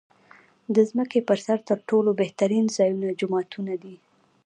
د ځمکې پر سر تر ټولو بهترین ځایونه جوماتونه دی .